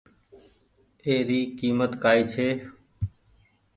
اي ري ڪيمت ڪآئي ڇي۔